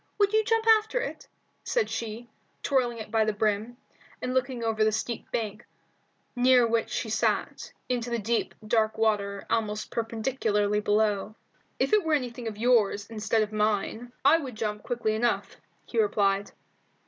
Would you jump after it?" she said, twirling it by the brim, and looking over the steep bank, near which she sat, into the deep, dark water almost perpendicularly below. "If it were anything of yours instead of mine, I would jump quickly enough," he replied.